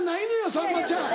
さんまちゃん。